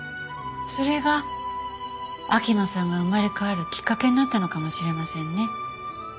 それが秋野さんが生まれ変わるきっかけになったのかもしれませんね。